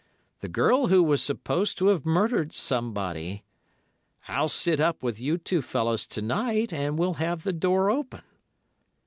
'The girl who was supposed to have murdered somebody. I'll sit up with you two fellows to night and we'll have the door open.